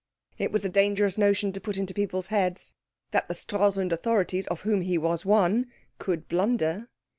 It was a dangerous notion to put into people's heads, that the Stralsund authorities, of whom he was one, could blunder.